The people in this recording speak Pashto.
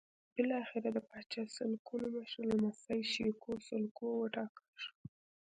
بالاخره د پاچا سلوکو مشر لمسی شېکو سلوکو وټاکل شو.